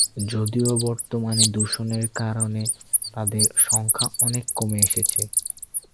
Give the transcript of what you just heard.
যদিও বর্তমানে দূষণের কারণে তাদের সংখ্যা অনেক কমে এসেছে।